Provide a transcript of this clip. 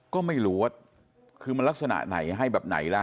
ก็ไม่รู้ว่าคือมันลักษณะไหนให้แบบไหนล่ะ